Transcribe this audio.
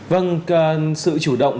vâng sự chủ động